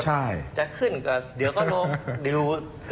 จะขึ้นเดี๋ยวก็ลงดิว